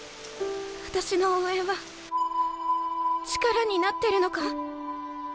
あたしの応援は力になってるのか？